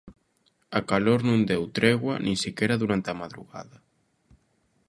A calor non deu tregua nin sequera durante a madrugada.